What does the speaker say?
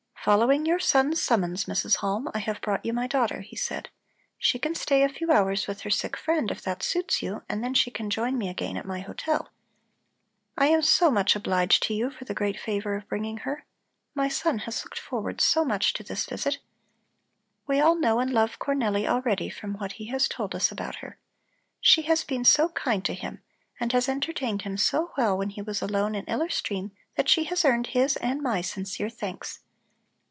"Following your son's summons, Mrs. Halm, I have brought you my daughter," he said. "She can stay a few hours with her sick friend, if that suits you, and then she can join me again at my hotel." "I am so much obliged to you for the great favor of bringing her. My son has looked forward so much to this visit. We all know and love Cornelli already from what he has told us about her. She has been so kind to him and has entertained him so well when he was alone in Iller Stream that she has earned his and my sincere thanks.